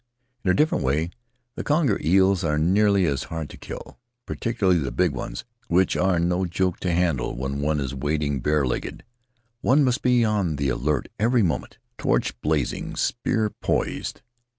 In a different way, the conger eels are nearly as hard to kill, particularly the big ones, which are no joke to handle when one is wad" ing barelegged. One must be on the alert every mo ment — torch blazing, spear poised.